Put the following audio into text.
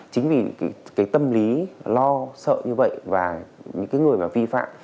chính vì cái tâm lý lo sợ như vậy và những cái người mà vi phạm